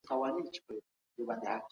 ماشوم مخکې له ازموینې چمتو سوی و.